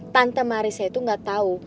tante marissa itu gak tau